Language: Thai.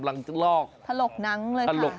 อย่างนี้เหรอครับคุณประมาณนั้นเลย